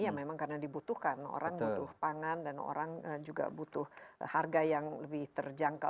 ya memang karena dibutuhkan orang butuh pangan dan orang juga butuh harga yang lebih terjangkau